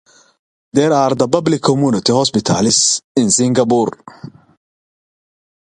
These are the public community hospitals in Singapore.